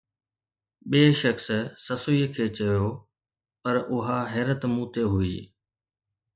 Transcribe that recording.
ٻئي شخص سسئيءَ کي چيو، پر اها حيرت مون تي هئي